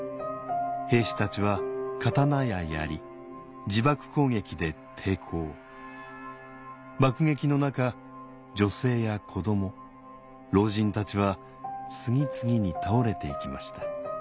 兵士たちは刀や槍自爆攻撃で抵抗爆撃の中女性や子ども老人たちは次々に倒れて行きました